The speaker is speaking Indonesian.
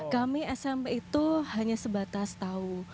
kami smp itu hanya sebatas tahu